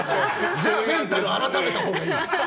じゃあメンタル改めたほうがいい。